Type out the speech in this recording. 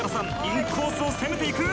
インコースを攻めていく。